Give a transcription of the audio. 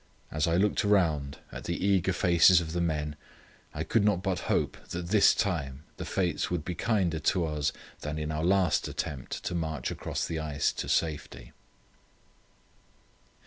As I looked round at the eager faces of the men I could not but hope that this time the fates would be kinder to us than in our last attempt to march across the ice to safety.